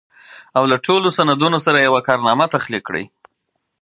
او له ټولو سندونو سره يوه کارنامه تخليق کړي.